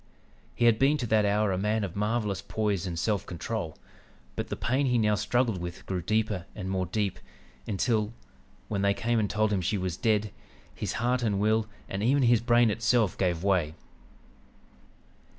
He had been to that hour a man of marvelous poise and self control, but the pain he now struggled with grew deeper and more deep, until, when they came and told him she was dead, his heart and will, and even his brain itself gave way.